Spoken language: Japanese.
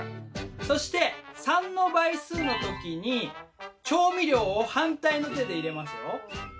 そして３の倍数の時に調味料を反対の手で入れますよ。